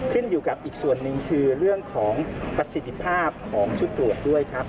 ขึ้นอยู่กับอีกส่วนหนึ่งคือเรื่องของประสิทธิภาพของชุดตรวจด้วยครับ